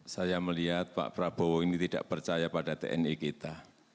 saya melihat pak prabowo ini tidak percaya pada tni kita